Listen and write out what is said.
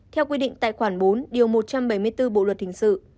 theo quy định tại khoản bốn điều một trăm bảy mươi bốn bộ luật hình sự